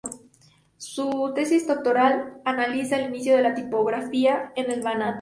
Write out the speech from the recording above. Su tesis doctoral analiza el inicio de la tipografía en el Banat.